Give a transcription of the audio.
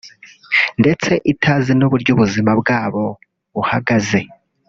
ndetse itazi n’uburyo ubuzima bwabo buhagaze